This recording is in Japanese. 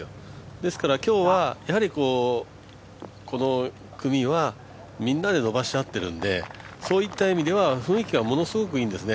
ですから今日はこの組はみんなで伸ばし合っているのでそういった意味では雰囲気がものすごくいいんですね。